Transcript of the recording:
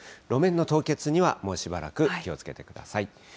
路面の凍結にはもうしばらく気をつけてください。